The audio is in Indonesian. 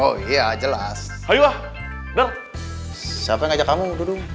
oh iya jelas ayolah dar siapa yang ngajak kamu duduk